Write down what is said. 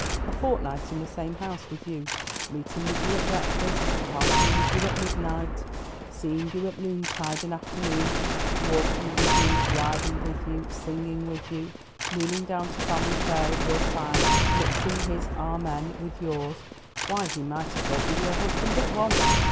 A fortnight in the same house with you, meeting with you at breakfast, parting with you at midnight, seeing you at noontide and afternoon, walking with you, riding with you, singing with you, kneeling down to family prayer at your side, mixing his 'Amen' with yours; why he might as well be your husband at once.